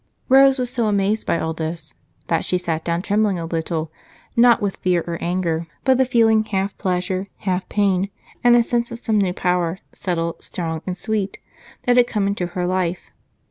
Rose was so amazed by all this that she sat down trembling a little, not with fear or anger, but a feeling half pleasure, half pain, and a sense of some new power subtle, strong, and sweet that had come into her life.